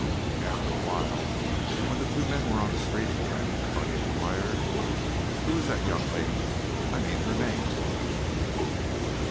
After a while, when the two men were on the street again, Buddy inquired: "Who is that young lady? I mean her name?"